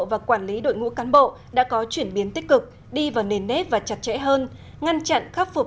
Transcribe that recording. và quản lý đội ngũ cán bộ đã có chuyển biến tích cực đi vào nền nếp và chặt chẽ hơn ngăn chặn khắc phục